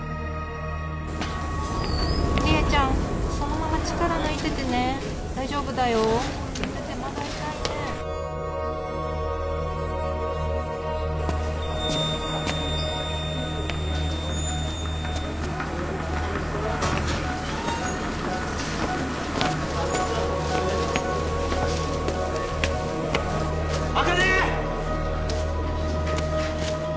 りえちゃんそのまま力抜いててね大丈夫だよ茜！